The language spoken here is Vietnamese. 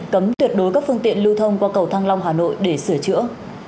cấm tuyệt đối các phương tiện lưu thông qua cầu thăng long hà nội để sửa chữa